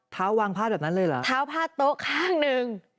เท้าผ้าโต๊ะข้างนึง